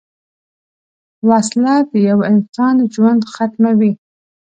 وسله د یوه انسان ژوند ختموي